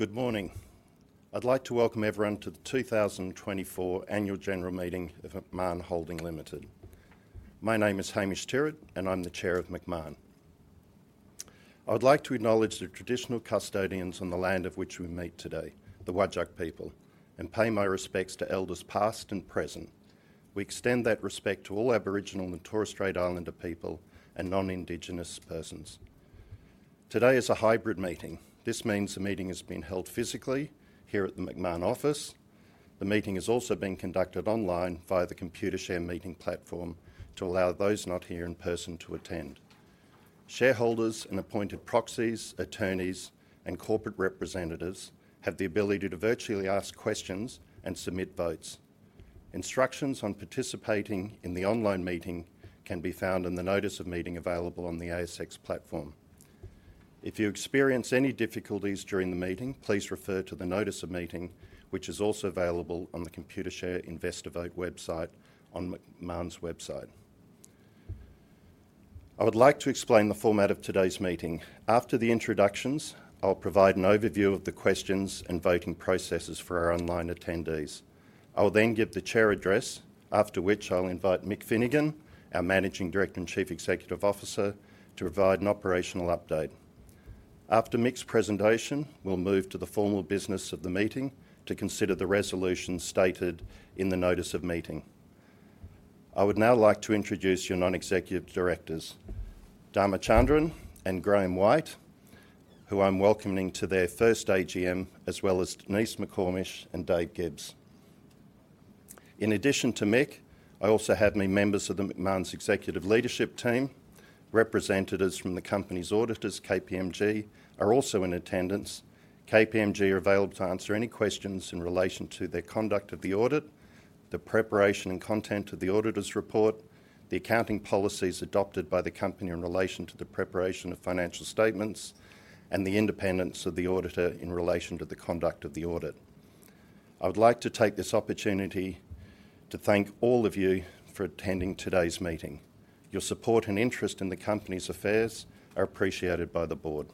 Good morning. I'd like to welcome everyone to the two thousand and twenty-four Annual General Meeting of Macmahon Holdings Limited. My name is Hamish Tyrwhitt, and I'm the Chair of Macmahon. I would like to acknowledge the traditional custodians on the land of which we meet today, the Whadjuk people, and pay my respects to elders past and present. We extend that respect to all Aboriginal and Torres Strait Islander people and non-Indigenous persons. Today is a hybrid meeting. This means the meeting is being held physically here at the Macmahon office. The meeting is also being conducted online via the Computershare meeting platform to allow those not here in person to attend. Shareholders and appointed proxies, attorneys, and corporate representatives have the ability to virtually ask questions and submit votes. Instructions on participating in the online meeting can be found in the notice of meeting available on the ASX platform. If you experience any difficulties during the meeting, please refer to the notice of meeting, which is also available on the Computershare InvestorVote website on Macmahon's website. I would like to explain the format of today's meeting. After the introductions, I'll provide an overview of the questions and voting processes for our online attendees. I will then give the chair address, after which I'll invite Mick Finnegan, our Managing Director and Chief Executive Officer, to provide an operational update. After Mick's presentation, we'll move to the formal business of the meeting to consider the resolutions stated in the notice of meeting. I would now like to introduce your non-executive directors, Dharma Chandran and Graham White, who I'm welcoming to their first AGM, as well as Denise McComish and Dave Gibbs. In addition to Mick, I also have many members of the Macmahon's executive leadership team. Representatives from the company's auditors, KPMG, are also in attendance. KPMG are available to answer any questions in relation to their conduct of the audit, the preparation and content of the auditor's report, the accounting policies adopted by the company in relation to the preparation of financial statements, and the independence of the auditor in relation to the conduct of the audit. I would like to take this opportunity to thank all of you for attending today's meeting. Your support and interest in the company's affairs are appreciated by the board.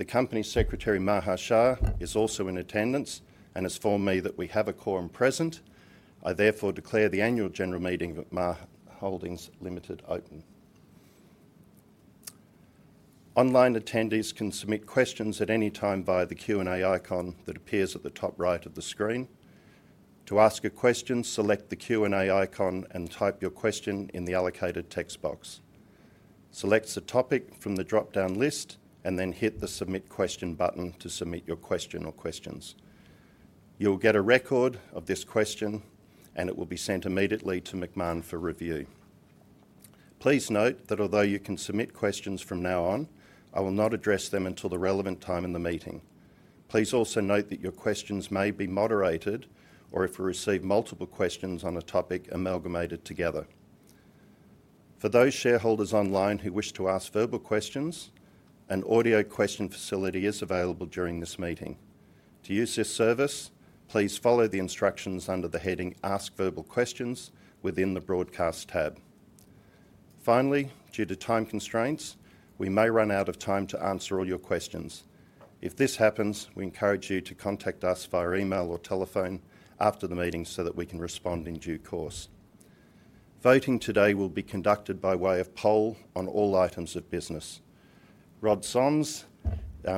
The company secretary, Maha Chaar, is also in attendance and has informed me that we have a quorum present. I therefore declare the Annual General Meeting of Macmahon Holdings Limited open. Online attendees can submit questions at any time via the Q&A icon that appears at the top right of the screen. To ask a question, select the Q&A icon and type your question in the allocated text box. Select the topic from the dropdown list, and then hit the Submit Question button to submit your question or questions. You'll get a record of this question, and it will be sent immediately to Macmahon for review. Please note that although you can submit questions from now on, I will not address them until the relevant time in the meeting. Please also note that your questions may be moderated, or if we receive multiple questions on a topic, amalgamated together. For those shareholders online who wish to ask verbal questions, an audio question facility is available during this meeting. To use this service, please follow the instructions under the heading Ask Verbal Questions within the Broadcast tab. Finally, due to time constraints, we may run out of time to answer all your questions. If this happens, we encourage you to contact us via email or telephone after the meeting so that we can respond in due course. Voting today will be conducted by way of poll on all items of business. Rod Saines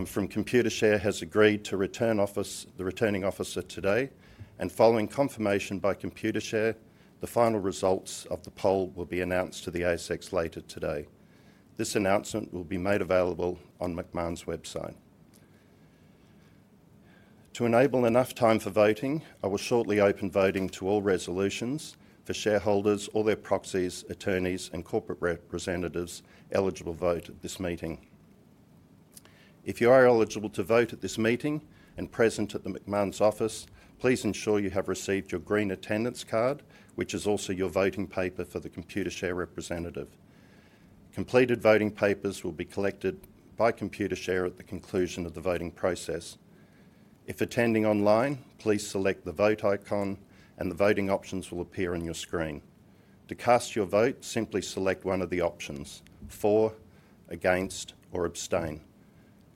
from Computershare has agreed to be the Returning Officer today, and following confirmation by Computershare, the final results of the poll will be announced to the ASX later today. This announcement will be made available on Macmahon's website. To enable enough time for voting, I will shortly open voting to all resolutions for shareholders or their proxies, attorneys, and corporate representatives eligible to vote at this meeting. If you are eligible to vote at this meeting and present at the Macmahon's office, please ensure you have received your green attendance card, which is also your voting paper for the Computershare representative. Completed voting papers will be collected by Computershare at the conclusion of the voting process. If attending online, please select the Vote icon, and the voting options will appear on your screen. To cast your vote, simply select one of the options: For, Against, or Abstain.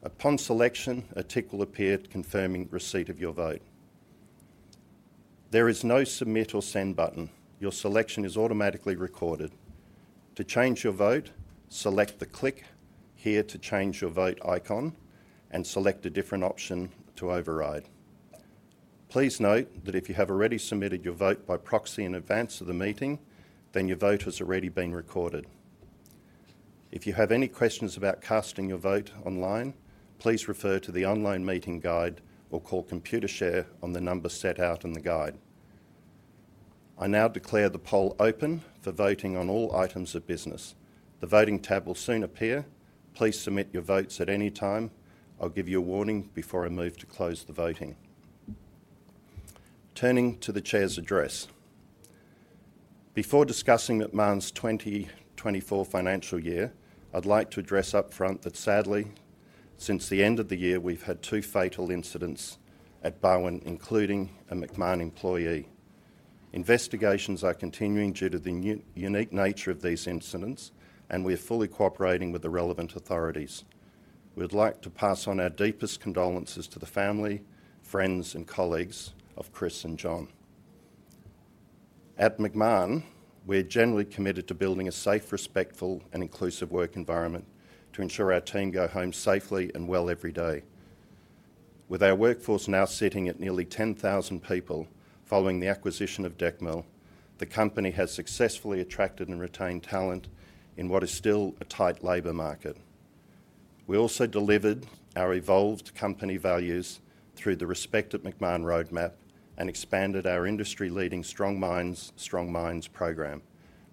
Upon selection, a tick will appear confirming receipt of your vote. There is no Submit or Send button. Your selection is automatically recorded. To change your vote, select the Click here to change your vote icon and select a different option to override. Please note that if you have already submitted your vote by proxy in advance of the meeting, then your vote has already been recorded. If you have any questions about casting your vote online, please refer to the online meeting guide or call Computershare on the number set out in the guide. I now declare the poll open for voting on all items of business. The voting tab will soon appear. Please submit your votes at any time. I'll give you a warning before I move to close the voting. Turning to the chair's address. Before discussing Macmahon's 2024 financial year, I'd like to address upfront that sadly, since the end of the year, we've had two fatal incidents at Byerwen, including a Macmahon employee. Investigations are continuing due to the unique nature of these incidents, and we are fully cooperating with the relevant authorities. We would like to pass on our deepest condolences to the family, friends, and colleagues of Chris and John. At Macmahon, we're generally committed to building a safe, respectful, and inclusive work environment to ensure our team go home safely and well every day. With our workforce now sitting at nearly 10,000 people following the acquisition of Decmil, the company has successfully attracted and retained talent in what is still a tight labor market. We also delivered our evolved company values through the Respect at Macmahon roadmap and expanded our industry-leading Strong Minds, Strong Mines program,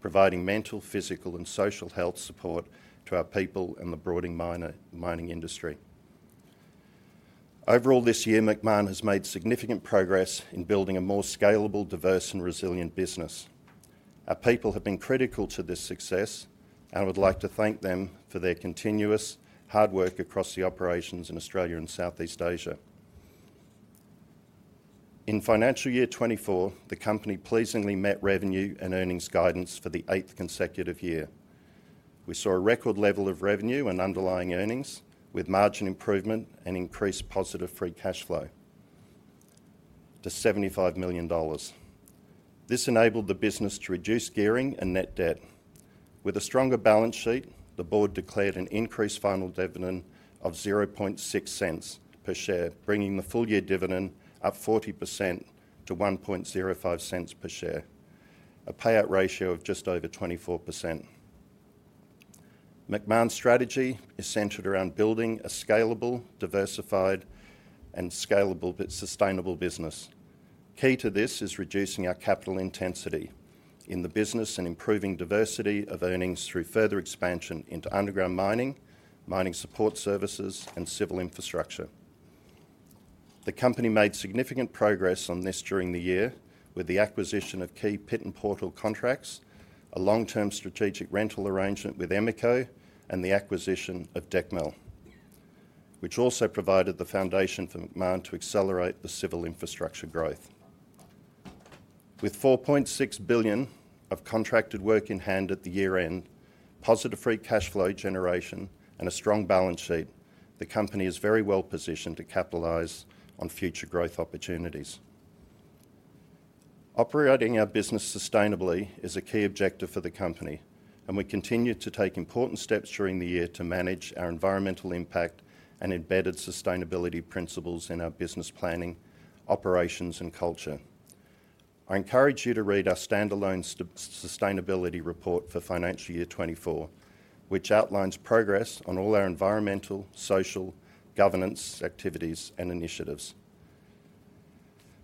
providing mental, physical, and social health support to our people and the broader mining industry. Overall, this year, Macmahon has made significant progress in building a more scalable, diverse, and resilient business. Our people have been critical to this success, and I would like to thank them for their continuous hard work across the operations in Australia and Southeast Asia. In financial year 24, the company pleasingly met revenue and earnings guidance for the eighth consecutive year. We saw a record level of revenue and underlying earnings, with margin improvement and increased positive free cash flow to 75 million dollars. This enabled the business to reduce gearing and net debt. With a stronger balance sheet, the board declared an increased final dividend of 0.006 per share, bringing the full-year dividend up 40% to 0.0105 per share, a payout ratio of just over 24%. Macmahon's strategy is centered around building a scalable, diversified, and scalable but sustainable business. Key to this is reducing our capital intensity in the business and improving diversity of earnings through further expansion into underground mining, mining support services, and civil infrastructure. The company made significant progress on this during the year with the acquisition of key Pit N Portal contracts, a long-term strategic rental arrangement with Emeco, and the acquisition of Decmil, which also provided the foundation for Macmahon to accelerate the civil infrastructure growth. With 4.6 billion of contracted work in hand at the year-end, positive free cash flow generation, and a strong balance sheet, the company is very well-positioned to capitalize on future growth opportunities. Operating our business sustainably is a key objective for the company, and we continued to take important steps during the year to manage our environmental impact and embedded sustainability principles in our business planning, operations, and culture. I encourage you to read our standalone sustainability report for financial year 2024, which outlines progress on all our environmental, social, governance, activities, and initiatives.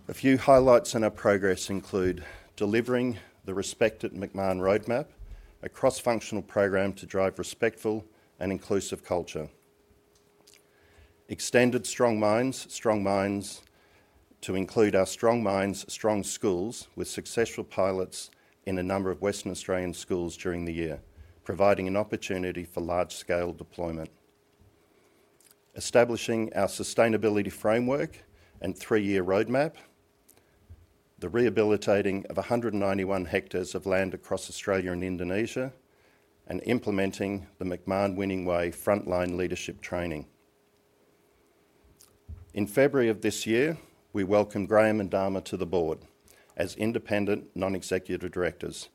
A few highlights in our progress include delivering the Respect at Macmahon roadmap, a cross-functional program to drive respectful and inclusive culture. Extended Strong Minds, Strong Mines to include our Strong Minds, Strong Schools, with successful pilots in a number of Western Australian schools during the year, providing an opportunity for large-scale deployment. Establishing our sustainability framework and three-year roadmap. The rehabilitating of a hundred and ninety-one hectares of land across Australia and Indonesia. And implementing the Macmahon Winning Way frontline leadership training. In February of this year, we welcomed Graham and Dharma to the board as independent, non-executive directors,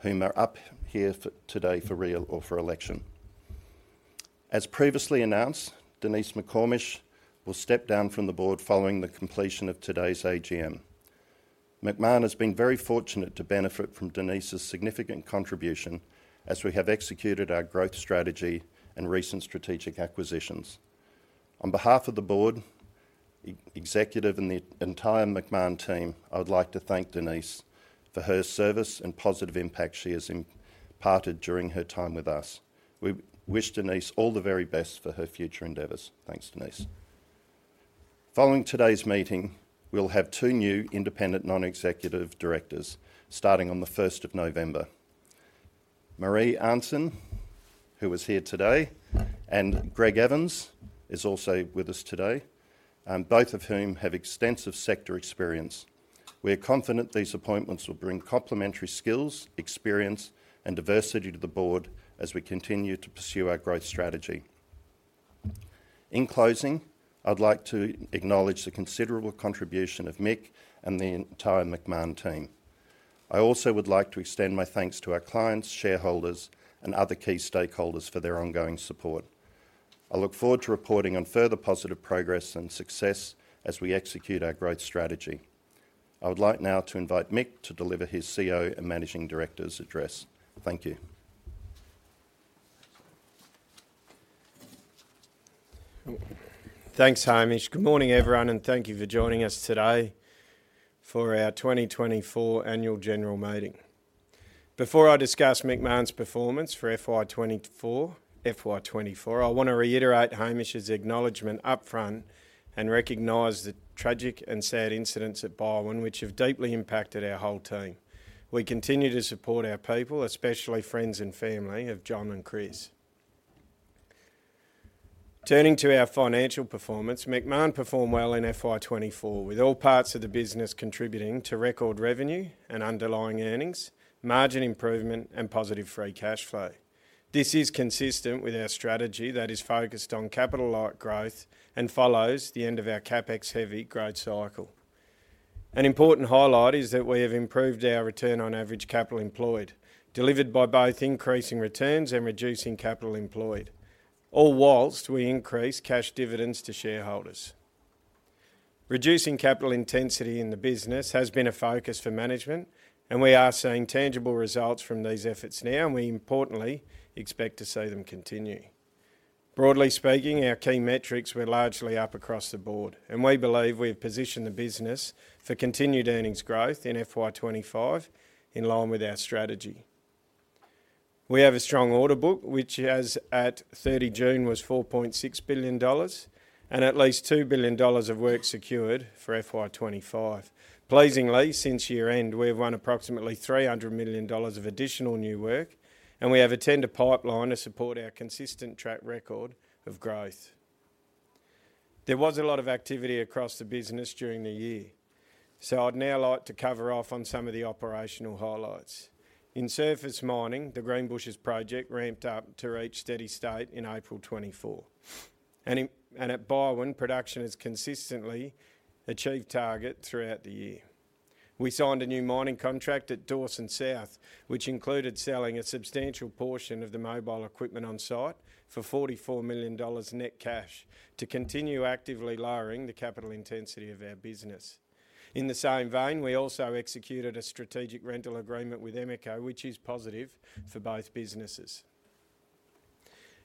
whom are up here for today for election. As previously announced, Denise McComish will step down from the board following the completion of today's AGM. Macmahon has been very fortunate to benefit from Denise's significant contribution as we have executed our growth strategy and recent strategic acquisitions. On behalf of the board, executive, and the entire Macmahon team, I would like to thank Denise for her service and positive impact she has imparted during her time with us. We wish Denise all the very best for her future endeavors. Thanks, Denise. Following today's meeting, we'll have two new independent non-executive directors starting on the first of November. Marie Inkster, who is here today, and Greg Evans is also with us today, and both of whom have extensive sector experience. We are confident these appointments will bring complementary skills, experience, and diversity to the board as we continue to pursue our growth strategy. In closing, I'd like to acknowledge the considerable contribution of Mick and the entire Macmahon team. I also would like to extend my thanks to our clients, shareholders, and other key stakeholders for their ongoing support. I look forward to reporting on further positive progress and success as we execute our growth strategy. I would like now to invite Mick to deliver his CEO and Managing Director's address. Thank you. Thanks, Hamish. Good morning, everyone, and thank you for joining us today for our 2024 Annual General Meeting. Before I discuss Macmahon's performance for FY 2024, I wanna reiterate Hamish's acknowledgement upfront and recognize the tragic and sad incidents at Byerwen, which have deeply impacted our whole team. We continue to support our people, especially friends and family of John and Chris. Turning to our financial performance, Macmahon performed well in FY 2024, with all parts of the business contributing to record revenue and underlying earnings, margin improvement, and positive free cash flow. This is consistent with our strategy that is focused on capital light growth and follows the end of our CapEx-heavy growth cycle. An important highlight is that we have improved our return on average capital employed, delivered by both increasing returns and reducing capital employed, all while we increase cash dividends to shareholders. Reducing capital intensity in the business has been a focus for management, and we are seeing tangible results from these efforts now, and we importantly expect to see them continue. Broadly speaking, our key metrics were largely up across the board, and we believe we have positioned the business for continued earnings growth in FY 2025, in line with our strategy. We have a strong order book, which as at 30 June, was 4.6 billion dollars, and at least 2 billion dollars of work secured for FY 2025. Pleasingly, since year-end, we have won approximately 300 million dollars of additional new work, and we have a tender pipeline to support our consistent track record of growth. There was a lot of activity across the business during the year, so I'd now like to cover off on some of the operational highlights. In surface mining, the Greenbushes project ramped up to reach steady state in April 2024. At Byerwen, production has consistently achieved target throughout the year. We signed a new mining contract at Dawson South, which included selling a substantial portion of the mobile equipment on site for 44 million dollars net cash, to continue actively lowering the capital intensity of our business. In the same vein, we also executed a strategic rental agreement with Emeco, which is positive for both businesses.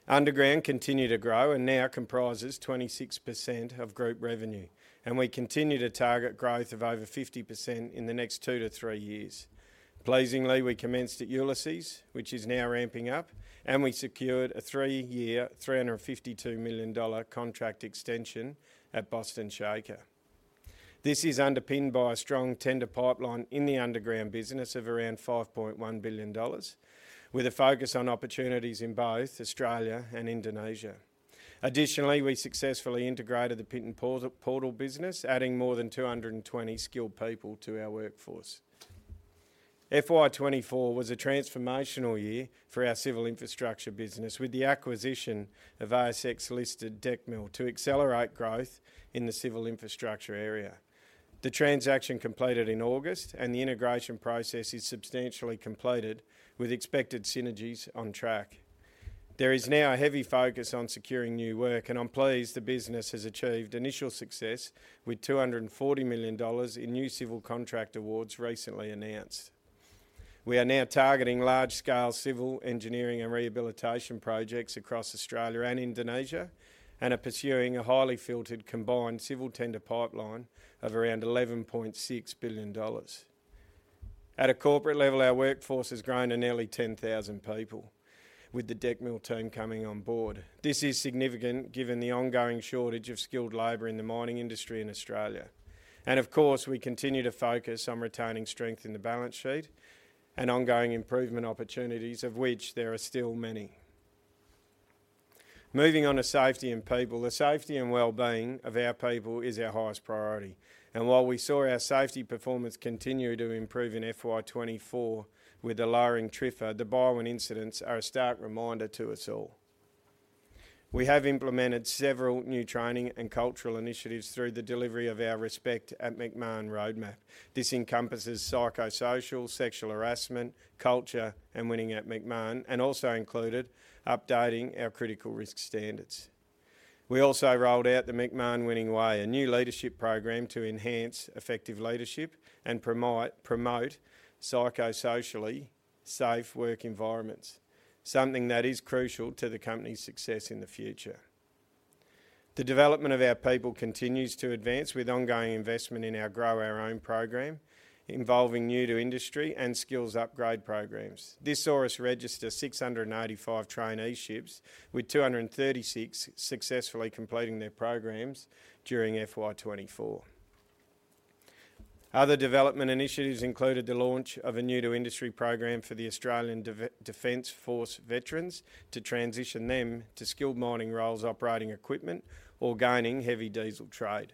Underground continued to grow and now comprises 26% of group revenue, and we continue to target growth of over 50% in the next two to three years. Pleasingly, we commenced at Ulysses, which is now ramping up, and we secured a three-year, 352 million dollar contract extension at Boston Shaker. This is underpinned by a strong tender pipeline in the underground business of around 5.1 billion dollars, with a focus on opportunities in both Australia and Indonesia. Additionally, we successfully integrated the Pit N Portal business, adding more than 220 skilled people to our workforce. FY 2024 was a transformational year for our civil infrastructure business, with the acquisition of ASX-listed Decmil to accelerate growth in the civil infrastructure area. The transaction completed in August, and the integration process is substantially completed with expected synergies on track. There is now a heavy focus on securing new work, and I'm pleased the business has achieved initial success with 240 million dollars in new civil contract awards recently announced. We are now targeting large-scale civil engineering and rehabilitation projects across Australia and Indonesia, and are pursuing a highly filtered, combined civil tender pipeline of around 11.6 billion dollars. At a corporate level, our workforce has grown to nearly 10,000 people, with the Decmil team coming on board. This is significant given the ongoing shortage of skilled labor in the mining industry in Australia, and of course, we continue to focus on retaining strength in the balance sheet and ongoing improvement opportunities, of which there are still many. Moving on to safety and people. The safety and well-being of our people is our highest priority, and while we saw our safety performance continue to improve in FY 2024 with a lowering TRIFR, the Byerwen incidents are a stark reminder to us all. We have implemented several new training and cultural initiatives through the delivery of our Respect at Macmahon roadmap. This encompasses psychosocial, sexual harassment, culture, and winning at Macmahon, and also included updating our critical risk standards. We also rolled out the Macmahon Winning Way, a new leadership program to enhance effective leadership and promote psychosocially safe work environments, something that is crucial to the company's success in the future. The development of our people continues to advance with ongoing investment in our Grow Our Own program, involving new to industry and skills upgrade programs. This saw us register six hundred and eighty-five traineeships, with two hundred and thirty-six successfully completing their programs during FY 2024. Other development initiatives included the launch of a new to industry program for the Australian Defence Force veterans to transition them to skilled mining roles, operating equipment or gaining heavy diesel trade.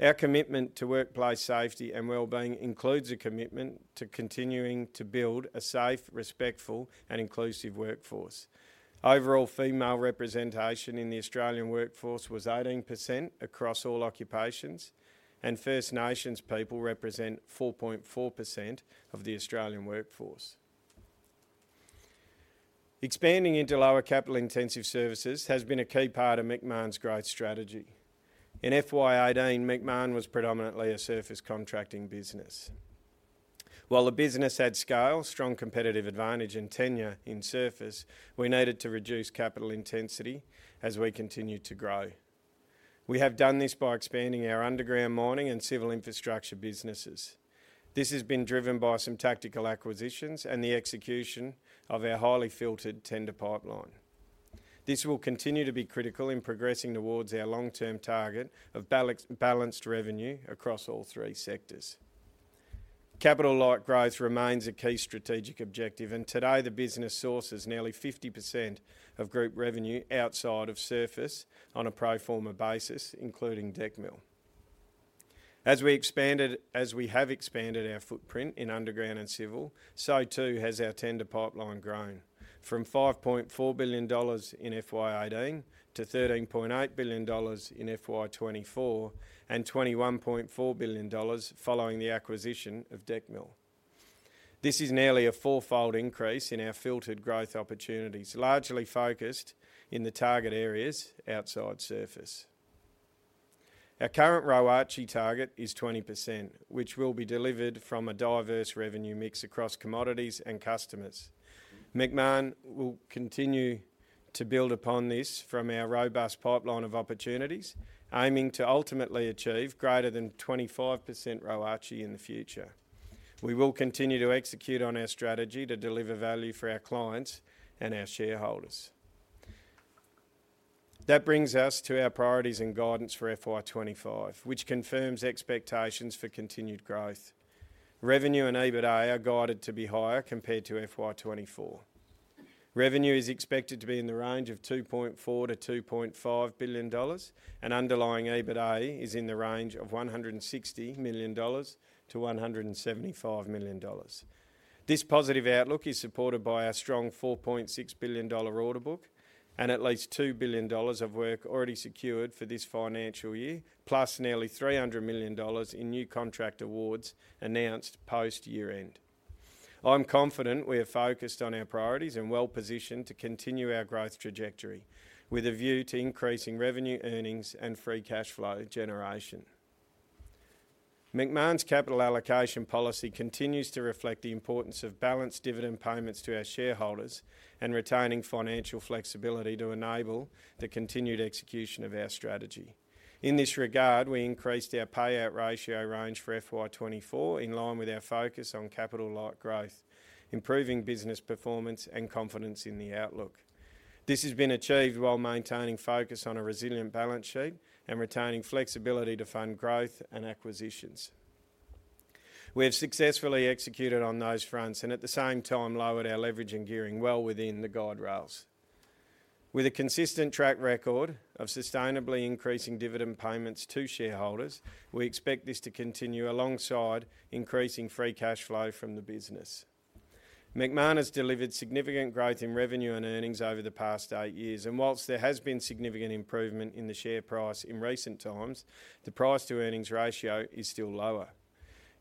Our commitment to workplace safety and well-being includes a commitment to continuing to build a safe, respectful, and inclusive workforce. Overall, female representation in the Australian workforce was 18% across all occupations, and First Nations people represent 4.4% of the Australian workforce. Expanding into lower capital-intensive services has been a key part of Macmahon's growth strategy. In FY 2018, Macmahon was predominantly a surface contracting business. While the business had scale, strong competitive advantage, and tenure in surface, we needed to reduce capital intensity as we continued to grow. We have done this by expanding our underground mining and civil infrastructure businesses. This has been driven by some tactical acquisitions and the execution of our highly filtered tender pipeline. This will continue to be critical in progressing towards our long-term target of balanced revenue across all three sectors.... Capital-light growth remains a key strategic objective, and today the business sources nearly 50% of group revenue outside of surface on a pro forma basis, including Decmil. As we expanded, as we have expanded our footprint in underground and civil, so too has our tender pipeline grown from 5.4 billion dollars in FY 2018 to 13.8 billion dollars in FY 2024, and 21.4 billion dollars following the acquisition of Decmil. This is nearly a fourfold increase in our filtered growth opportunities, largely focused in the target areas outside surface. Our current ROACE target is 20%, which will be delivered from a diverse revenue mix across commodities and customers. Macmahon will continue to build upon this from our robust pipeline of opportunities, aiming to ultimately achieve greater than 25% ROACE in the future. We will continue to execute on our strategy to deliver value for our clients and our shareholders. That brings us to our priorities and guidance for FY 2025, which confirms expectations for continued growth. Revenue and EBITDA are guided to be higher compared to FY 2024. Revenue is expected to be in the range of 2.4 billion-2.5 billion dollars, and underlying EBITDA is in the range of 160 million-175 million dollars. This positive outlook is supported by our strong 4.6 billion dollar order book and at least 2 billion dollars of work already secured for this financial year, plus nearly 300 million dollars in new contract awards announced post-year end. I'm confident we are focused on our priorities and well-positioned to continue our growth trajectory, with a view to increasing revenue, earnings, and free cash flow generation. Macmahon's capital allocation policy continues to reflect the importance of balanced dividend payments to our shareholders and retaining financial flexibility to enable the continued execution of our strategy. In this regard, we increased our payout ratio range for FY 2024 in line with our focus on capital-light growth, improving business performance, and confidence in the outlook. This has been achieved while maintaining focus on a resilient balance sheet and retaining flexibility to fund growth and acquisitions. We have successfully executed on those fronts and, at the same time, lowered our leverage and gearing well within the guide rails. With a consistent track record of sustainably increasing dividend payments to shareholders, we expect this to continue alongside increasing free cash flow from the business. Macmahon has delivered significant growth in revenue and earnings over the past eight years, and while there has been significant improvement in the share price in recent times, the price-to-earnings ratio is still lower.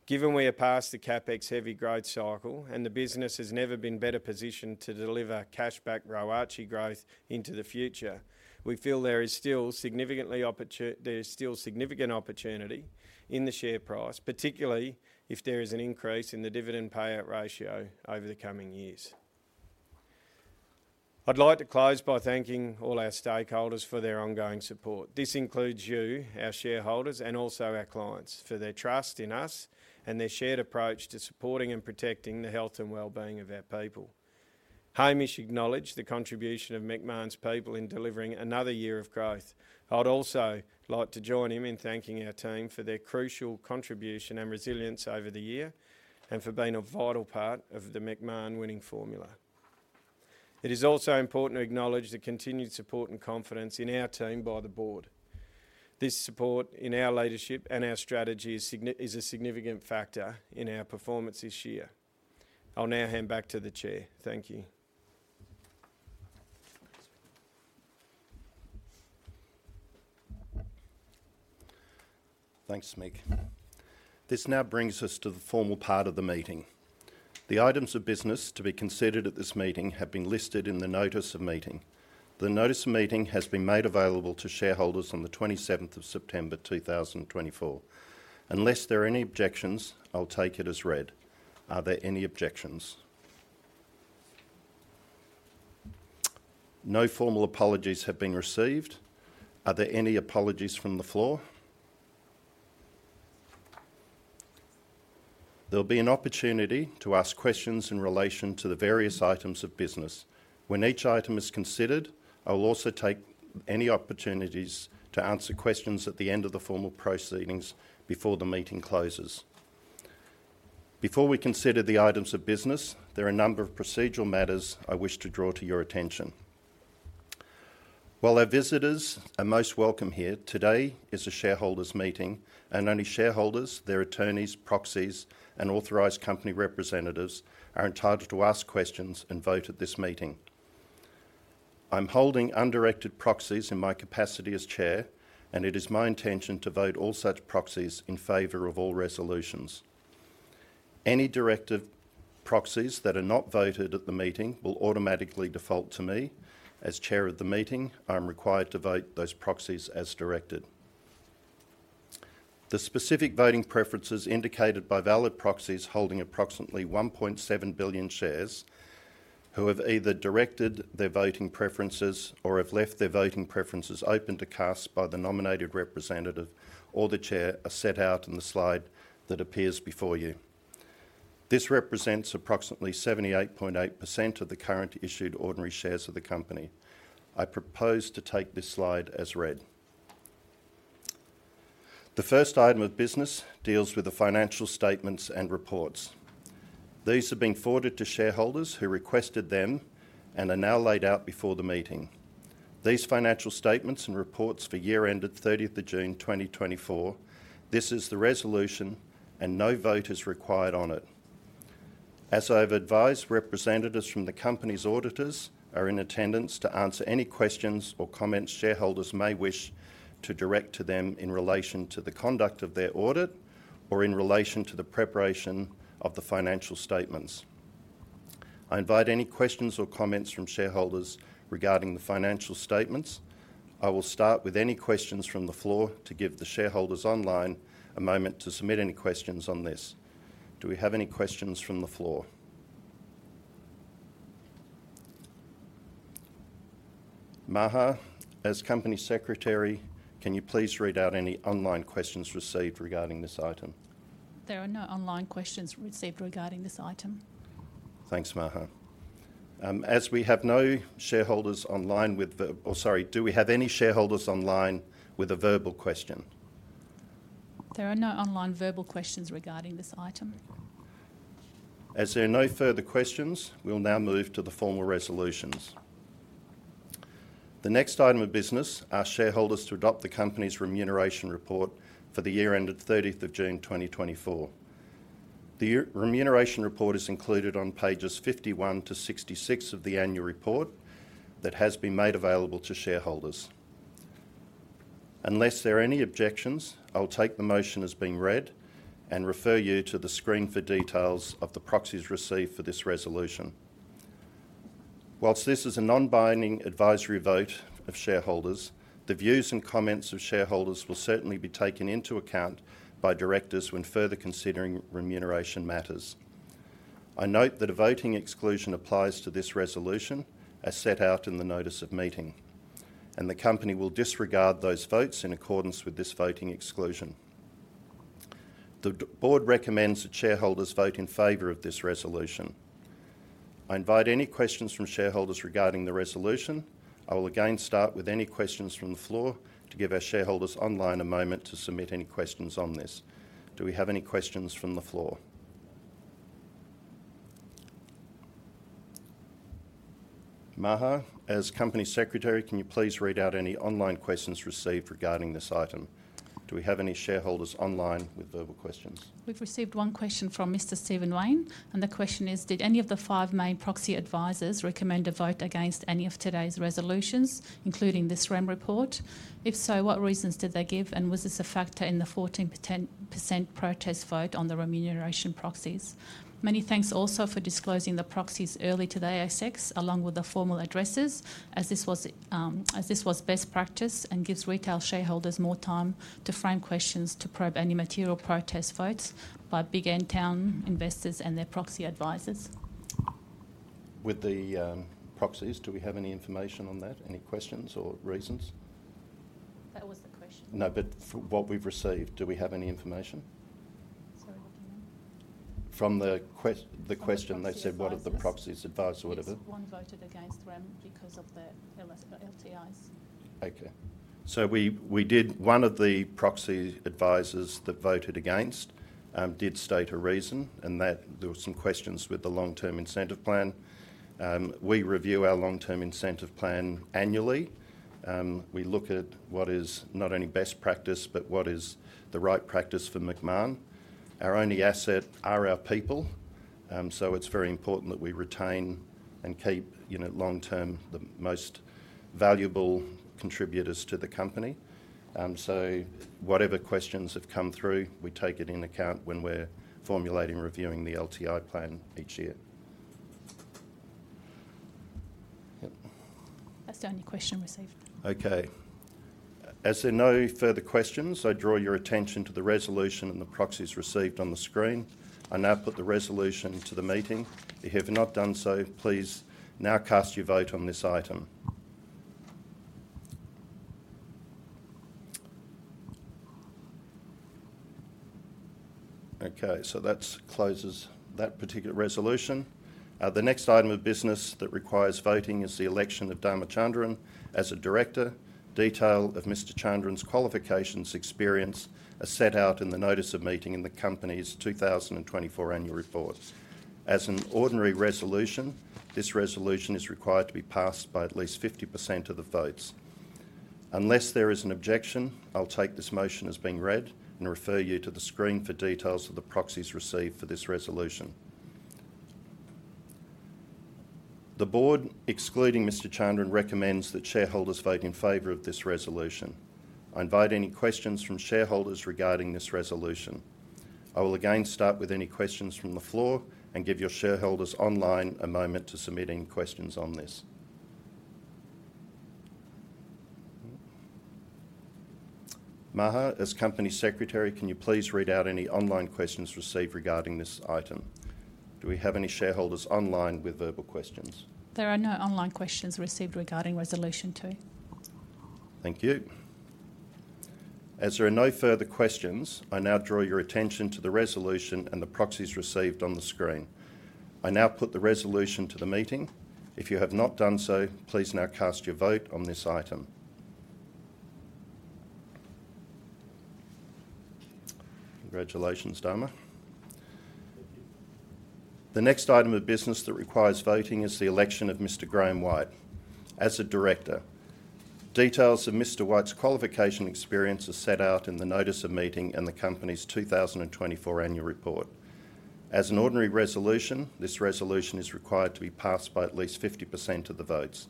Given we are past the CapEx-heavy growth cycle and the business has never been better positioned to deliver cash-back ROACE growth into the future, we feel there is still significant opportunity in the share price, particularly if there is an increase in the dividend payout ratio over the coming years. I'd like to close by thanking all our stakeholders for their ongoing support. This includes you, our shareholders, and also our clients for their trust in us and their shared approach to supporting and protecting the health and well-being of our people. Hamish acknowledged the contribution of Macmahon's people in delivering another year of growth. I'd also like to join him in thanking our team for their crucial contribution and resilience over the year, and for being a vital part of the Macmahon winning formula. It is also important to acknowledge the continued support and confidence in our team by the board. This support in our leadership and our strategy is a significant factor in our performance this year. I'll now hand back to the Chair. Thank you. Thanks, Mick. This now brings us to the formal part of the meeting. The items of business to be considered at this meeting have been listed in the notice of meeting. The notice of meeting has been made available to shareholders on the twenty-seventh of September, two thousand and twenty-four. Unless there are any objections, I'll take it as read. Are there any objections? No formal apologies have been received. Are there any apologies from the floor? There'll be an opportunity to ask questions in relation to the various items of business. When each item is considered, I will also take any opportunities to answer questions at the end of the formal proceedings before the meeting closes. Before we consider the items of business, there are a number of procedural matters I wish to draw to your attention. While our visitors are most welcome here, today is a shareholders' meeting, and only shareholders, their attorneys, proxies, and authorized company representatives are entitled to ask questions and vote at this meeting. I'm holding undirected proxies in my capacity as Chair, and it is my intention to vote all such proxies in favor of all resolutions. Any directed proxies that are not voted at the meeting will automatically default to me. As Chair of the meeting, I am required to vote those proxies as directed. The specific voting preferences indicated by valid proxies holding approximately 1.7 billion shares, who have either directed their voting preferences or have left their voting preferences open to cast by the nominated representative or the Chair, are set out in the slide that appears before you. This represents approximately 78.8% of the current issued ordinary shares of the company. I propose to take this slide as read. The first item of business deals with the financial statements and reports. These have been forwarded to shareholders who requested them, and are now laid out before the meeting. These financial statements and reports for year ended 30th of June, 2024, this is the resolution, and no vote is required on it. As I've advised, representatives from the company's auditors are in attendance to answer any questions or comments shareholders may wish to direct to them in relation to the conduct of their audit, or in relation to the preparation of the financial statements. I invite any questions or comments from shareholders regarding the financial statements. I will start with any questions from the floor to give the shareholders online a moment to submit any questions on this. Do we have any questions from the floor? Maha, as Company Secretary, can you please read out any online questions received regarding this item? There are no online questions received regarding this item. Thanks, Maha. Do we have any shareholders online with a verbal question? There are no online verbal questions regarding this item. As there are no further questions, we'll now move to the formal resolutions. The next item of business, are shareholders to adopt the company's remuneration report for the year ended 30th of June, 2024. The remuneration report is included on pages 51-61 of the annual report that has been made available to shareholders. Unless there are any objections, I'll take the motion as being read, and refer you to the screen for details of the proxies received for this resolution. While this is a non-binding advisory vote of shareholders, the views and comments of shareholders will certainly be taken into account by directors when further considering remuneration matters. I note that a voting exclusion applies to this resolution, as set out in the notice of meeting, and the company will disregard those votes in accordance with this voting exclusion. The Board recommends that shareholders vote in favor of this resolution. I invite any questions from shareholders regarding the resolution. I will again start with any questions from the floor to give our shareholders online a moment to submit any questions on this. Do we have any questions from the floor? Maha, as Company Secretary, can you please read out any online questions received regarding this item? Do we have any shareholders online with verbal questions? We've received one question from Mr. Stephen Mayne, and the question is: Did any of the five main proxy advisors recommend a vote against any of today's resolutions, including this remuneration report? If so, what reasons did they give, and was this a factor in the 14% protest vote on the remuneration proxies? Many thanks also for disclosing the proxies early today, ASX, along with the formal addresses, as this was, as this was best practice and gives retail shareholders more time to frame questions to probe any material protest votes by big end town investors and their proxy advisors. With the proxies, do we have any information on that, any questions or reasons? That was the question. No, but for what we've received, do we have any information? Sorry, again. From the question- From the proxy advisors.... they said, what have the proxies advised, whatever. Yes, one voted against rem because of the LTIs. Okay. So we did. One of the proxy advisors that voted against did state a reason, and that there were some questions with the long-term incentive plan. We review our long-term incentive plan annually. We look at what is not only best practice, but what is the right practice for Macmahon. Our only asset are our people, so it's very important that we retain and keep, you know, long-term, the most valuable contributors to the company. So whatever questions have come through, we take it in account when we're formulating, reviewing the LTI plan each year. Yep. That's the only question received. Okay. As there are no further questions, I draw your attention to the resolution and the proxies received on the screen. I now put the resolution to the meeting. If you have not done so, please now cast your vote on this item. Okay, so that closes that particular resolution. The next item of business that requires voting is the election of Dharma Chandran as a director. Detail of Mr. Chandran's qualifications, experience, are set out in the notice of meeting in the company's two thousand and twenty-four annual report. As an ordinary resolution, this resolution is required to be passed by at least 50% of the votes. Unless there is an objection, I'll take this motion as being read, and refer you to the screen for details of the proxies received for this resolution. The board, excluding Mr. Chandran, recommends that shareholders vote in favor of this resolution. I invite any questions from shareholders regarding this resolution. I will again start with any questions from the floor, and give your shareholders online a moment to submit any questions on this. Maha, as Company Secretary, can you please read out any online questions received regarding this item? Do we have any shareholders online with verbal questions? There are no online questions received regarding Resolution Two. Thank you. As there are no further questions, I now draw your attention to the resolution and the proxies received on the screen. I now put the resolution to the meeting. If you have not done so, please now cast your vote on this item. Congratulations, Dharma. Thank you. The next item of business that requires voting is the election of Mr. Graham White as a director. Details of Mr. White's qualification experience are set out in the notice of meeting and the company's two thousand and twenty-four annual report. As an ordinary resolution, this resolution is required to be passed by at least 50% of the votes.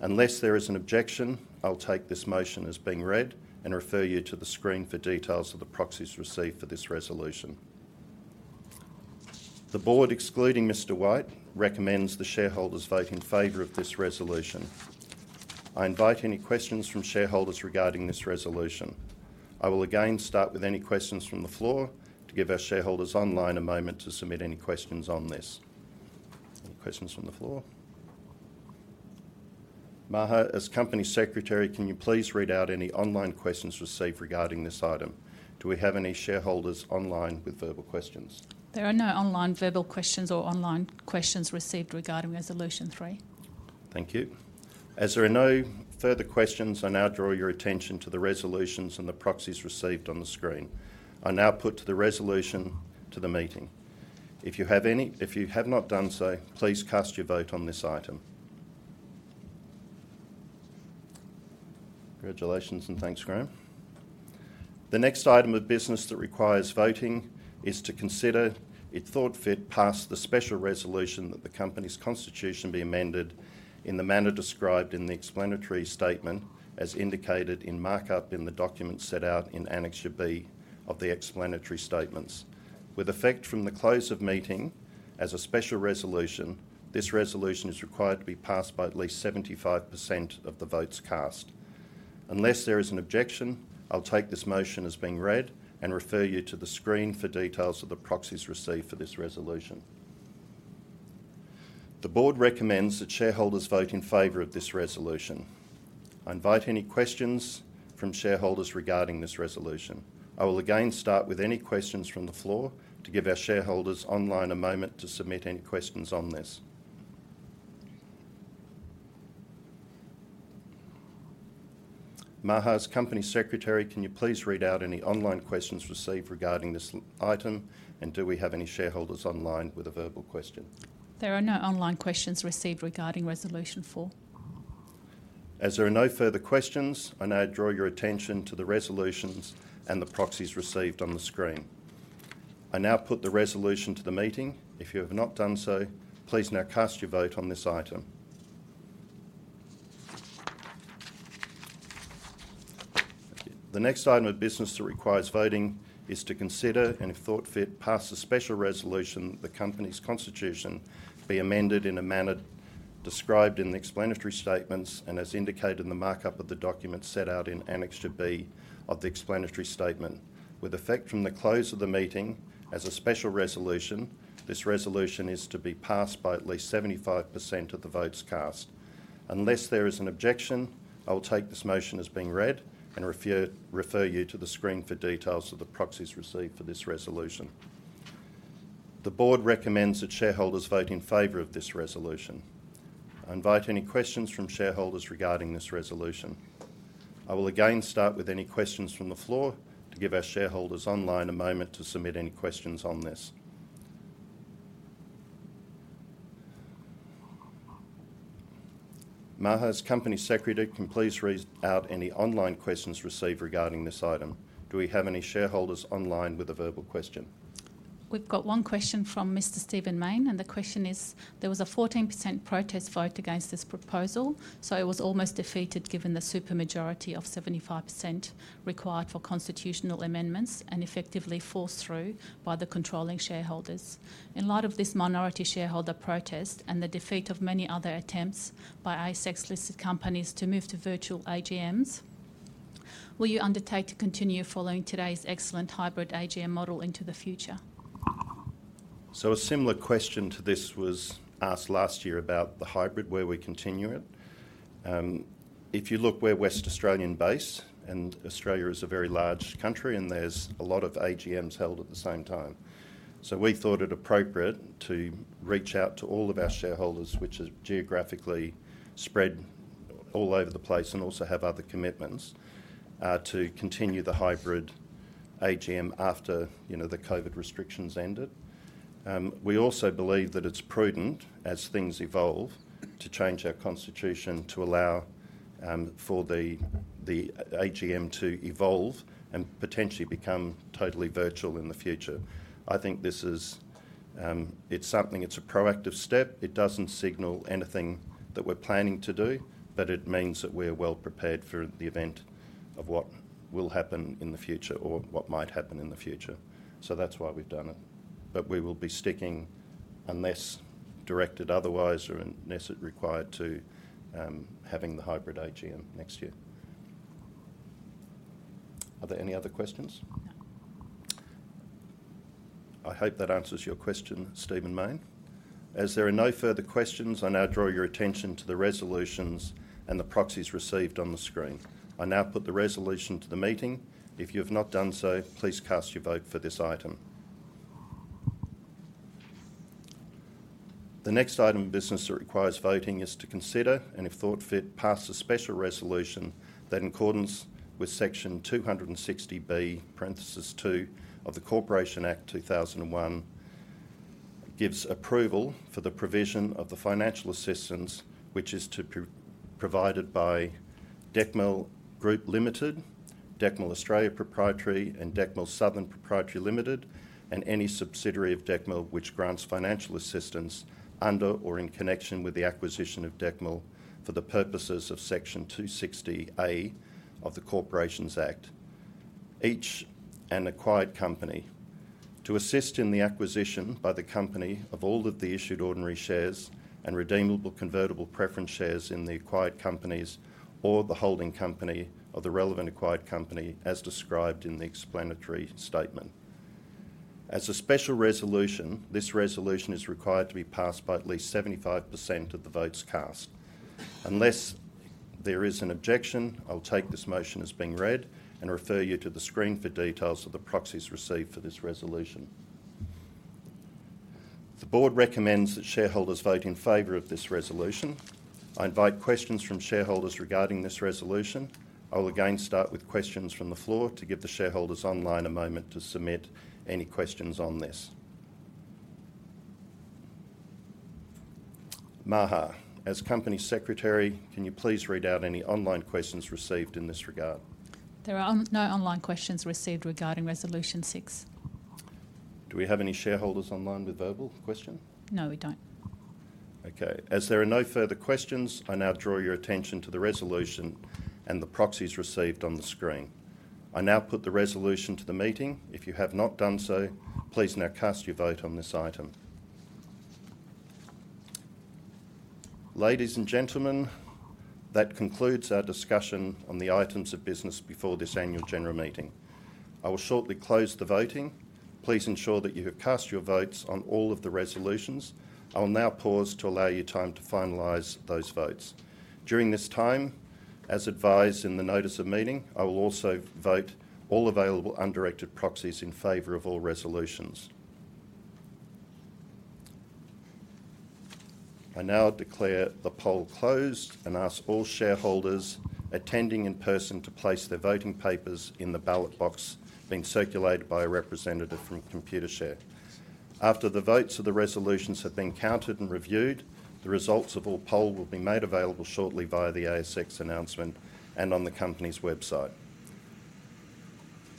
Unless there is an objection, I'll take this motion as being read and refer you to the screen for details of the proxies received for this resolution. The board, excluding Mr. White, recommends the shareholders vote in favor of this resolution. I invite any questions from shareholders regarding this resolution. I will again start with any questions from the floor to give our shareholders online a moment to submit any questions on this. Any questions from the floor? Maha, as Company Secretary, can you please read out any online questions received regarding this item? Do we have any shareholders online with verbal questions? There are no online verbal questions or online questions received regarding Resolution three. Thank you. As there are no further questions, I now draw your attention to the resolutions and the proxies received on the screen. I now put to the resolution to the meeting. If you have not done so, please cast your vote on this item. Congratulations, and thanks, Graham. The next item of business that requires voting is to consider, if thought fit, pass the special resolution that the company's constitution be amended in the manner described in the explanatory statement, as indicated in markup in the document set out in Annexure B of the explanatory statements. With effect from the close of meeting, as a special resolution, this resolution is required to be passed by at least 75% of the votes cast. Unless there is an objection, I'll take this motion as being read and refer you to the screen for details of the proxies received for this resolution. The board recommends that shareholders vote in favor of this resolution. I invite any questions from shareholders regarding this resolution. I will again start with any questions from the floor to give our shareholders online a moment to submit any questions on this. Maha, as Company Secretary, can you please read out any online questions received regarding this item, and do we have any shareholders online with a verbal question? There are no online questions received regarding Resolution four. As there are no further questions, I now draw your attention to the resolutions and the proxies received on the screen. I now put the resolution to the meeting. If you have not done so, please now cast your vote on this item. The next item of business that requires voting is to consider, and if thought fit, pass the special resolution that the company's constitution be amended in a manner described in the explanatory statements, and as indicated in the markup of the document set out in Annexure B of the explanatory statement. With effect from the close of the meeting, as a special resolution, this resolution is to be passed by at least 75% of the votes cast. Unless there is an objection, I will take this motion as being read and refer you to the screen for details of the proxies received for this resolution. The board recommends that shareholders vote in favor of this resolution. I invite any questions from shareholders regarding this resolution. I will again start with any questions from the floor to give our shareholders online a moment to submit any questions on this. Maha, as Company Secretary, can you please read out any online questions received regarding this item? Do we have any shareholders online with a verbal question? We've got one question from Mr. Stephen Mayne, and the question is: There was a 14% protest vote against this proposal, so it was almost defeated, given the super majority of 75% required for constitutional amendments and effectively forced through by the controlling shareholders. In light of this minority shareholder protest and the defeat of many other attempts by ASX-listed companies to move to virtual AGMs, will you undertake to continue following today's excellent hybrid AGM model into the future? So a similar question to this was asked last year about the hybrid, where we continue it. If you look, we're West Australian-based, and Australia is a very large country, and there's a lot of AGMs held at the same time. So we thought it appropriate to reach out to all of our shareholders, which are geographically spread all over the place and also have other commitments, to continue the hybrid AGM after, you know, the COVID restrictions ended. We also believe that it's prudent, as things evolve, to change our constitution to allow, for the, the AGM to evolve and potentially become totally virtual in the future. I think this is, it's something, it's a proactive step. It doesn't signal anything that we're planning to do, but it means that we're well prepared for the event of what will happen in the future or what might happen in the future. So that's why we've done it. But we will be sticking, unless directed otherwise, or unless required to, having the hybrid AGM next year. Are there any other questions? No. I hope that answers your question, Stephen Mayne. As there are no further questions, I now draw your attention to the resolutions and the proxies received on the screen. I now put the resolution to the meeting. If you have not done so, please cast your vote for this item. The next item of business that requires voting is to consider, and if thought fit, pass a special resolution that in accordance with Section 260B(2) of the Corporations Act 2001, gives approval for the provision of the financial assistance, which is to be provided by Decmil Group Limited, Decmil Australia Proprietary Limited, and Decmil Southern Proprietary Limited, and any subsidiary of Decmil which grants financial assistance under or in connection with the acquisition of Decmil for the purposes of Section 260A of the Corporations Act. Each an acquired company, to assist in the acquisition by the company of all of the issued ordinary shares and redeemable convertible preference shares in the acquired companies, or the holding company of the relevant acquired company, as described in the explanatory statement. As a special resolution, this resolution is required to be passed by at least 75% of the votes cast. Unless there is an objection, I'll take this motion as being read and refer you to the screen for details of the proxies received for this resolution. The board recommends that shareholders vote in favor of this resolution. I invite questions from shareholders regarding this resolution. I will again start with questions from the floor to give the shareholders online a moment to submit any questions on this. Maha, as Company Secretary, can you please read out any online questions received in this regard? There are no online questions received regarding Resolution six. Do we have any shareholders online with verbal question? No, we don't. Okay. As there are no further questions, I now draw your attention to the resolution and the proxies received on the screen. I now put the resolution to the meeting. If you have not done so, please now cast your vote on this item. Ladies and gentlemen, that concludes our discussion on the items of business before this Annual General Meeting. I will shortly close the voting. Please ensure that you have cast your votes on all of the resolutions. I will now pause to allow you time to finalize those votes. During this time, as advised in the notice of meeting, I will also vote all available undirected proxies in favor of all resolutions. I now declare the poll closed and ask all shareholders attending in person to place their voting papers in the ballot box being circulated by a representative from Computershare. After the votes of the resolutions have been counted and reviewed, the results of all polls will be made available shortly via the ASX announcement and on the company's website.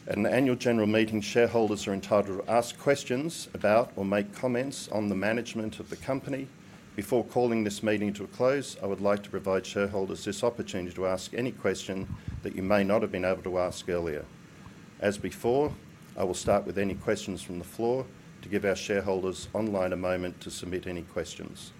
At an Annual General Meeting, shareholders are entitled to ask questions about or make comments on the management of the company. Before calling this meeting to a close, I would like to provide shareholders this opportunity to ask any question that you may not have been able to ask earlier. As before, I will start with any questions from the floor to give our shareholders online a moment to submit any questions.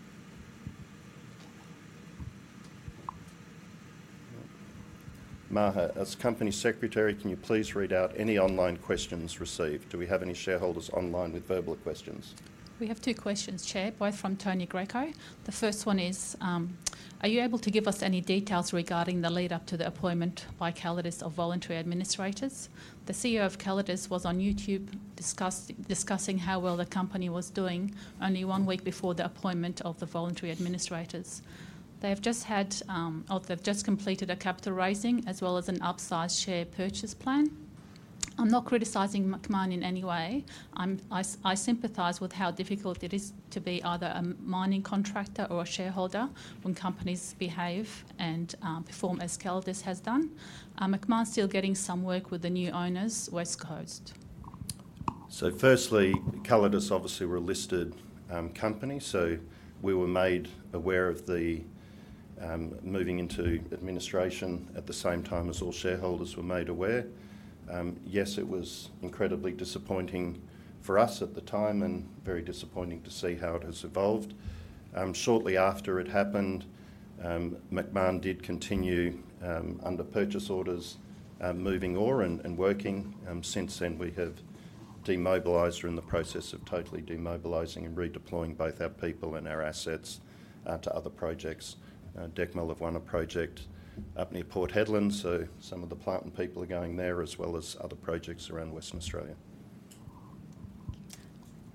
Maha, as Company Secretary, can you please read out any online questions received? Do we have any shareholders online with verbal questions? We have two questions, Chair, both from Tony Greco. The first one is: "Are you able to give us any details regarding the lead-up to the appointment by Calidus of voluntary administrators? The CEO of Calidus was on YouTube discussing how well the company was doing only one week before the appointment of the voluntary administrators. They have just had, or they've just completed a capital raising, as well as an upsized share purchase plan. I'm not criticizing Macmahon in any way. I sympathize with how difficult it is to be either a mining contractor or a shareholder when companies behave and perform as Calidus has done. Are Macmahon still getting some work with the new owners, West Coast? So firstly, Calidus obviously were a listed company, so we were made aware of the moving into administration at the same time as all shareholders were made aware. Yes, it was incredibly disappointing for us at the time, and very disappointing to see how it has evolved. Shortly after it happened, Macmahon did continue under purchase orders moving ore and working. Since then, we have demobilized, or in the process of totally demobilizing and redeploying both our people and our assets to other projects. Decmil have won a project up near Port Hedland, so some of the plant and people are going there, as well as other projects around Western Australia.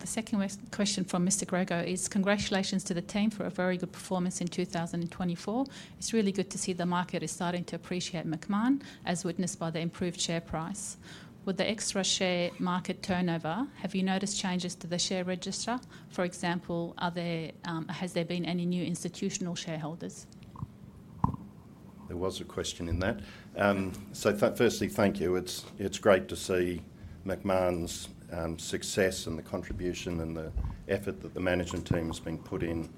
The second question from Mr. Greco is: "Congratulations to the team for a very good performance in two thousand and twenty-four. It's really good to see the market is starting to appreciate Macmahon, as witnessed by the improved share price. With the extra share market turnover, have you noticed changes to the share register? For example, are there, has there been any new institutional shareholders? There was a question in that. So firstly, thank you. It's great to see Macmahon's success and the contribution and the effort that the management team has been putting in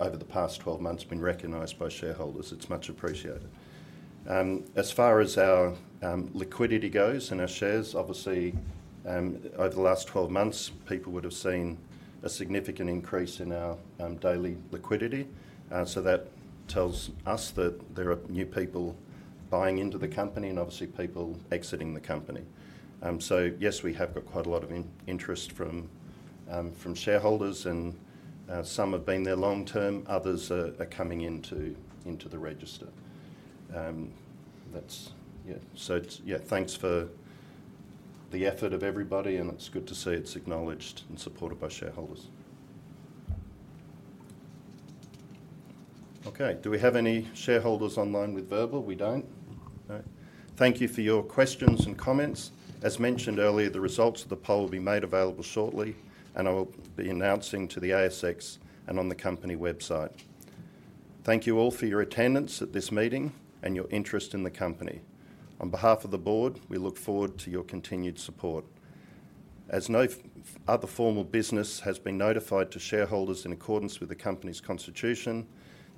over the past twelve months being recognized by shareholders. It's much appreciated. As far as our liquidity goes and our shares, obviously, over the last twelve months, people would have seen a significant increase in our daily liquidity. So that tells us that there are new people buying into the company and obviously people exiting the company. So yes, we have got quite a lot of interest from shareholders, and some have been there long term, others are coming into the register. That's... Yeah, so it's, yeah, thanks for the effort of everybody, and it's good to see it's acknowledged and supported by shareholders. Okay, do we have any shareholders online with verbal? We don't. No. Thank you for your questions and comments. As mentioned earlier, the results of the poll will be made available shortly, and I will be announcing to the ASX and on the company website. Thank you all for your attendance at this meeting and your interest in the company. On behalf of the board, we look forward to your continued support. As no other formal business has been notified to shareholders in accordance with the company's constitution,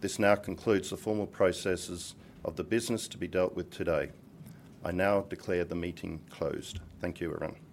this now concludes the formal processes of the business to be dealt with today. I now declare the meeting closed. Thank you, everyone.